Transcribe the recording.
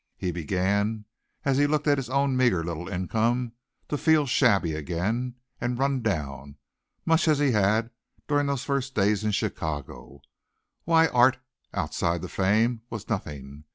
He began, as he looked at his own meagre little income, to feel shabby again, and run down, much as he had during those first days in Chicago. Why, art, outside the fame, was nothing.